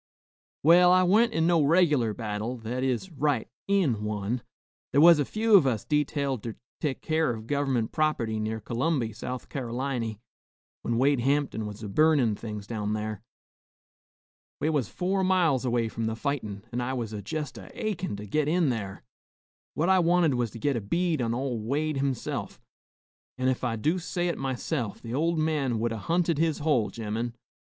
"Well, I wa'n't in no reg'lar battle, that is, right in one. Thar was a few of us detailed ter tek keer of gov'ment prop'ty near C'lumby, South Car'liny, when Wade Hamptin was a burnin' things down thar. We was four miles away from the fightin,' an' I was jest a achin' to git in thar. What I wanted was to git a bead on ol' Wade himself, an' ef I do say it myself, the ol' man would 'a' hunted his hole, gemmen.